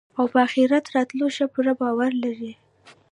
او په آخرت راتلو باندي ښه پوخ باور لري